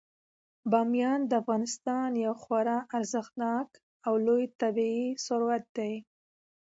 بامیان د افغانستان یو خورا ارزښتناک او لوی طبعي ثروت دی.